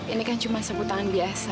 ini kan cuma sapu tangan biasa